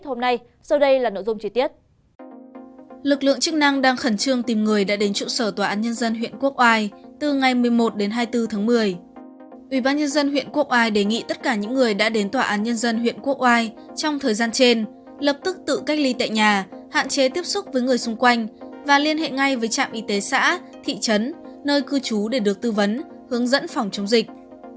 ủy ban nhân dân huyện quốc ai đề nghị tất cả những người đã đến tòa án nhân dân huyện quốc ai trong thời gian trên lập tức tự cách ly tại nhà hạn chế tiếp xúc với người xung quanh và liên hệ ngay với trạm y tế xã thị trấn nơi cư trú để được tư vấn hướng dẫn phòng chống dịch